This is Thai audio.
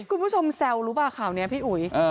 คุณผู้ชมแซวรู้ป่ะข่าวเนี้ยพี่อุ๋ยเออ